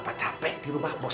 apa capek di rumah bos